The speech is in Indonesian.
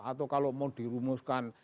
atau kalau mau dirumuskan